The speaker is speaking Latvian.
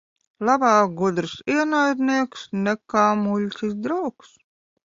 Labāk gudrs ienaidnieks nekā muļķis draugs.